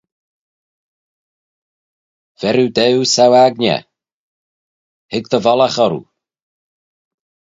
Ver oo daue sou-aigney, hig dty vollaght orroo.